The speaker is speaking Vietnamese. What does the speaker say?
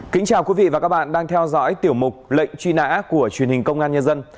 kính chào quý vị và các bạn đang theo dõi tiểu mục lệnh truy nã của truyền hình công an nhân dân